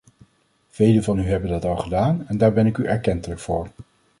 Velen van u hebben dat al gedaan en daar ben ik u erkentelijk voor.